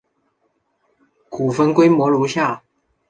古坟规模如下。